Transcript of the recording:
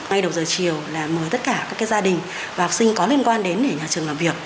ngay đầu giờ chiều là mời tất cả các gia đình và học sinh có liên quan đến để nhà trường làm việc